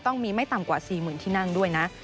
ต้องมีไม่ต่ำกว่า๔๐๐๐ที่นั่งด้วยนะ